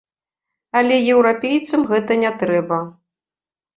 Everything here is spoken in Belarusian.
Але еўрапейцам гэта не трэба.